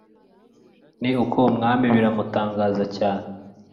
ni uko umwami biramutangaza cyane,